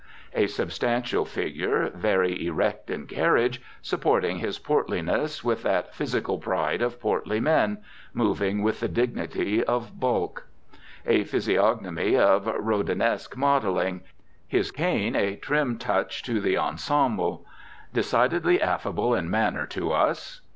A substantial figure, very erect in carriage, supporting his portliness with that physical pride of portly men, moving with the dignity of bulk; a physiognomy of Rodinesque modelling. His cane a trim touch to the ensemble. Decidedly affable in manner to us.